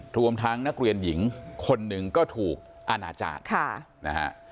รวมทั้งนักเรียนหญิงคนหนึ่งก็ถูกอาณาจารย์นะฮะ